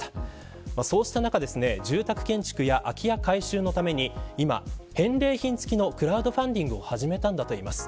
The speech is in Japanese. そうした中、住宅建築や空き家改修のために今は返礼品つきのクラウドファンディングを始めたといいます。